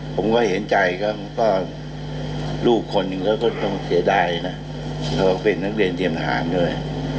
ผมก็เห็นใจก็ลูกคนหนึ่งเขาก็ต้องเสียดายนะเขาเป็นนักเรียนเตรียมทหารด้วย